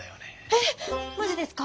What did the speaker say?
ええっマジですか。